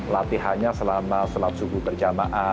latihannya selama sulap suku berjamaah